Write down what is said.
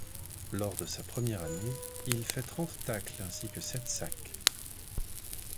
Lors de sa première année, il fait trente tacles ainsi que sept sacks.